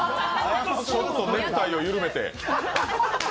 ちょっとネクタイを緩めて。